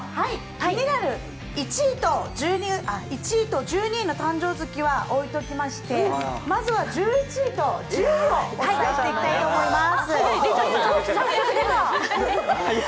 気になる１位と１２位の誕生月は置いておきましてまずは１１位と１０位をお伝えしていきたいと思います。